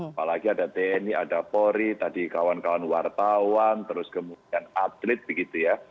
apalagi ada tni ada pori tadi kawan kawan wartawan terus kemudian atlet begitu ya